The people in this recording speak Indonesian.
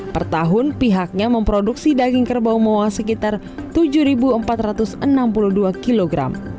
per tahun pihaknya memproduksi daging kerbau moa sekitar tujuh empat ratus enam puluh dua kg